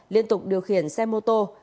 liên tục điều khiển xe mô tô